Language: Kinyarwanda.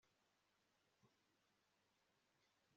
Ijoro riryoshye kuruta iminsi